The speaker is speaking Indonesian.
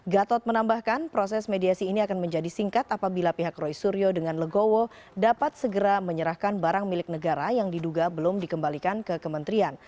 gatot menambahkan proses mediasi ini akan menjadi singkat apabila pihak roy suryo dengan legowo dapat segera menyerahkan barang milik negara yang diduga belum dikembalikan ke kementerian